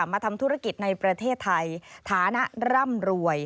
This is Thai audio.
มาทำธุรกิจในประเทศไทยฐานะร่ำรวย